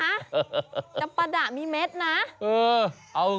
ฮะจำปาดะมีเม็ดนะ